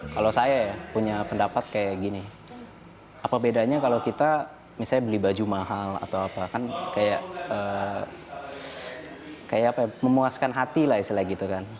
kalau saya ya punya pendapat kayak gini apa bedanya kalau kita misalnya beli baju mahal atau apa kan kayak apa ya memuaskan hati lah istilahnya gitu kan